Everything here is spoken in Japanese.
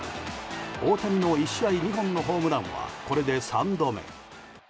大谷の１試合２本のホームランはこれで３度目。